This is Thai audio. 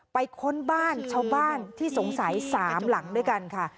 ค้นบ้านชาวบ้านที่สงสัย๓หลังด้วยกันค่ะ